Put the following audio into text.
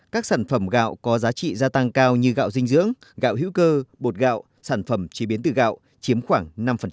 các sản phẩm gạo có giá trị gia tăng cao như gạo dinh dưỡng gạo hữu cơ bột gạo sản phẩm chế biến từ gạo chiếm khoảng năm